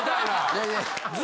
いやいや。